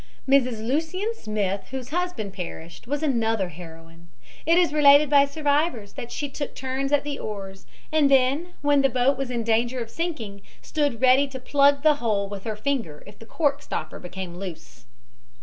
Mrs. Lucien Smith, whose young husband perished, was another heroine. It is related by survivors that she took turns at the oars, and then, when the boat was in danger of sinking, stood ready to plug a hole with her finger if the cork stopper became loose.